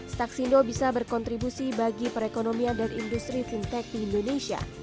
staksindo bisa berkontribusi bagi perekonomian dan industri fintech di indonesia